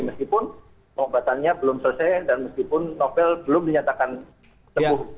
meskipun pengobatannya belum selesai dan meskipun novel belum dinyatakan sembuh